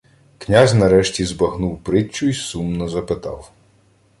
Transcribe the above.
Князь нарешті збагнув притчу й сумно запитав: